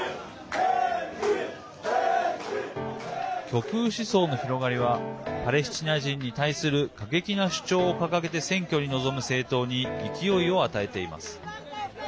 極右思想の広がりはパレスチナ人に対する過激な主張を掲げて選挙に臨む政党に勢いを与えています。